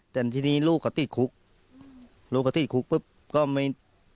แต่ทีนี้ลูกเขาติดคุกลูกเขาติดคุกปุ๊บก็ไม่